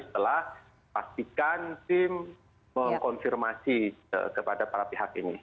setelah pastikan tim mengkonfirmasi kepada para pihak ini